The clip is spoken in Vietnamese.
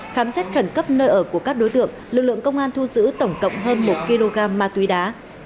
khám xét khẩn cấp nơi ở của các đối tượng lực lượng công an thu giữ tổng cộng hơn một kg ma túy đá